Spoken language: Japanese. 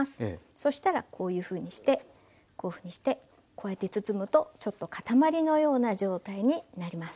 そしたらこういうふうにしてこういうふうにしてこうやって包むとちょっと塊のような状態になります。